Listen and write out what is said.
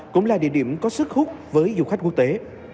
cũng là địa điểm có sức hút với du khách quốc tế